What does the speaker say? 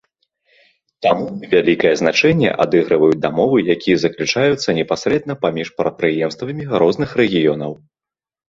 Таму вялікае значэнне адыгрываюць дамовы, якія заключаюцца непасрэдна паміж прадпрыемствамі розных рэгіёнаў.